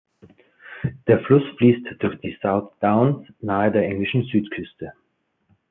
Der Fluss fließt durch die South Downs nahe der englischen Südküste.